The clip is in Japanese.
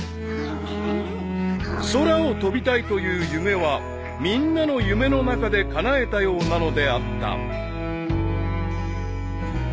［空を飛びたいという夢はみんなの夢の中でかなえたようなのであった］